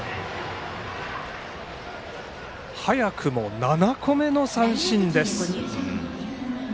早くも７個目の三振です。